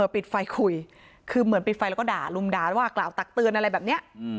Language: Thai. ปิดไฟคุยคือเหมือนปิดไฟแล้วก็ด่าลุมด่าว่ากล่าวตักเตือนอะไรแบบนี้